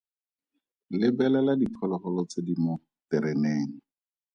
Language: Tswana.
Lebelela diphologolo tse di mo tereneng.